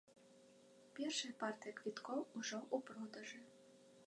Першая партыя квіткоў ужо ў продажы.